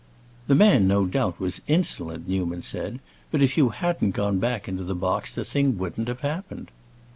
"The man, no doubt, was insolent," Newman said; "but if you hadn't gone back into the box the thing wouldn't have happened."